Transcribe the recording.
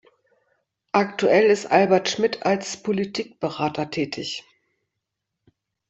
Aktuell ist Albert Schmidt als Politikberater tätig.